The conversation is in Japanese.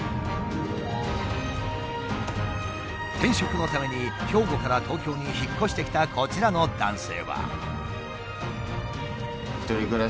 転職のために兵庫から東京に引っ越してきたこちらの男性は。